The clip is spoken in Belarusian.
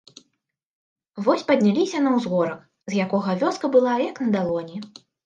Вось падняліся на ўзгорак, з якога вёска была як на далоні.